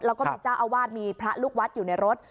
แล้วก็มีเจ้าอาวาสมีพระลูกวัดอยู่ในรถ